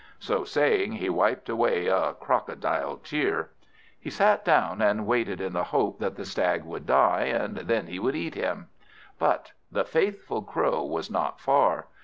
So saying, he wiped away a crocodile tear. He sat down and waited in the hope that the Stag would die, and then he would eat him. But the faithful Crow was not far.